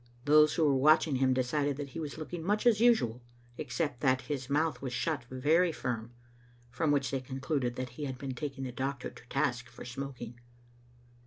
Those who were watching him decided that he was looking much as usual, except that his mouth was shut very firm, from which they concluded that he had been taking the doctor to task for smoking.